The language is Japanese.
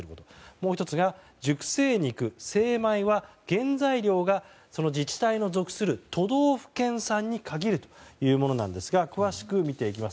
もう１つが熟成肉、精米は原材料がその自治体の属する都道府県産に限るというものなんですが詳しく見ていきます。